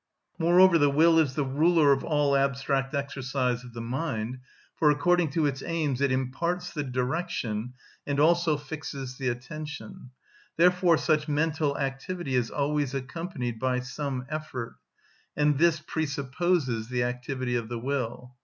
Moreover, the will is the ruler of all abstract exercise of the mind, for, according to its aims, it imparts the direction, and also fixes the attention; therefore such mental activity is always accompanied by some effort; and this presupposes the activity of the will.